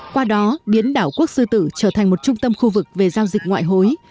qua đó biến đảo quốc sư tử trở thành một trung tâm khu vực về giao dịch ngoại hối